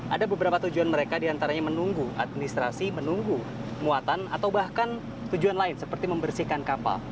ada beberapa tujuan mereka diantaranya menunggu administrasi menunggu muatan atau bahkan tujuan lain seperti membersihkan kapal